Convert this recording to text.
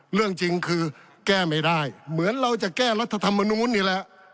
เรื่องจริงคือแก้ไม่ได้เหมือนเราจะแก้รัฐธรรมนูลนี่แหละ